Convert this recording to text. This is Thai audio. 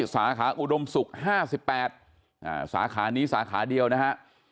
สาขาอุดมศุกร์ห้าสิบแปดอ่าสาขานี้สาขาเดียวนะฮะ